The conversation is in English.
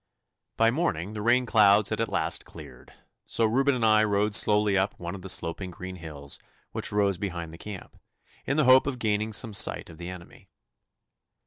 By morning the rain clouds had at last cleared, so Reuben and I rode slowly up one of the sloping green hills which rose behind the camp, in the hope of gaining some sight of the enemy.